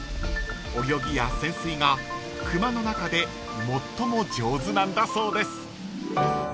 ［泳ぎや潜水がクマの中で最も上手なんだそうです］